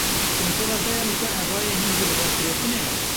Konsola te ya li ser Ebayê hîn jî li ber firotinê ye?